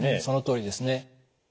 そのとおりですね。